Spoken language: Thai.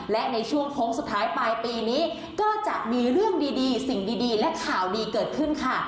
และในช่วงโค้งสุดท้ายปลายปีนี้ก็จะมีเรื่องดีสิ่งดีและข่าวดีเกิดขึ้นค่ะ